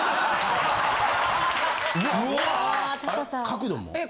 角度も？え？